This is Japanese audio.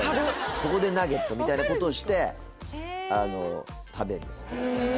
ここでナゲットみたいなことをして食べるんですよへえ